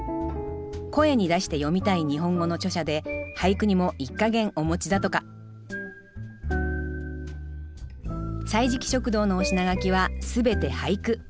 「声に出して読みたい日本語」の著者で俳句にも一家言お持ちだとか「歳時記食堂」のお品書きはすべて俳句。